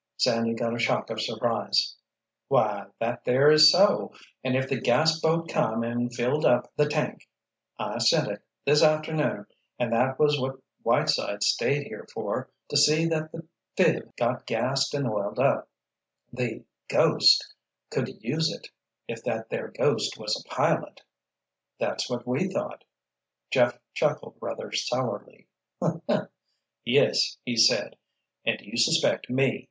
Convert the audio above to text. Sandy got a shock of surprise. "Why, that there is so! And if the gas boat come and filled up the tank—I sent it, this afternoon and that was what Whiteside stayed here for, to see that the 'phib' got gassed and oiled up—the—ghost—could use it, if that there ghost was a pilot." "That's what we thought." Jeff chuckled rather sourly. "Yes," he said. "And you suspect me.